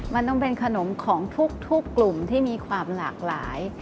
มันต้องเป็นขนมของทุกกลุ่มที่มีความหลากหลาย